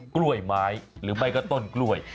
กล้วยไม้หรือไม่ก็ต้นกล้วย